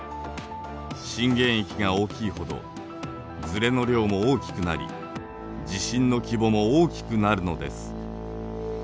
震源域が大きいほどずれの量も大きくなり地震の規模も大きくなるのです。